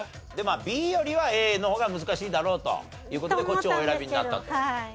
ＢよりはＡの方が難しいだろうという事でこっちをお選びになったと。と思ったんですけど。